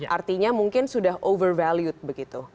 artinya mungkin sudah overvalued begitu